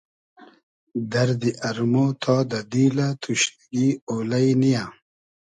دئردی ارمۉ تا دۂ دیلۂ توشنیگی اۉلݷ نییۂ